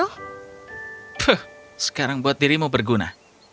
hah sekarang buat dirimu berguna